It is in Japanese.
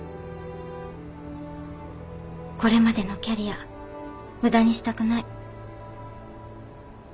これまでのキャリア無駄にしたくない。